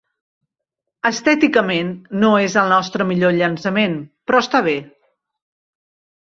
Estèticament no és el nostre millor llançament, però està bé.